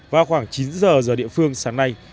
vào khoảng chín giờ giờ địa phương sáng nay